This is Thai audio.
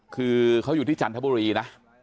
คือเขาอยู่ที่จันทบุรีนะ